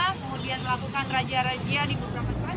kemudian melakukan razia razia di beberapa tempat